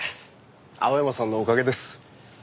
青山さんのおかげです。